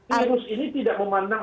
harus ini tidak memandang